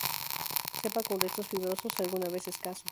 Cepa con restos fibrosos, alguna vez escasos.